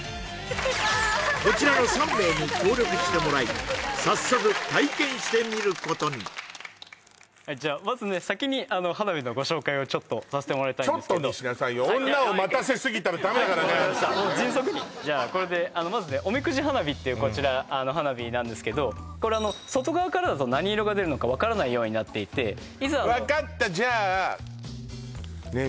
こちらの３名に協力してもらい早速体験してみることにをちょっとさせてもらいたいんですけどちょっとにしなさいよはい分かりました迅速にじゃあこれでまずねっていうこちら花火なんですけどこれはあの外側からだと何色が出るのか分からないようになっていて分かったじゃあねえ